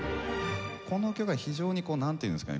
この曲は非常にこうなんていうんですかね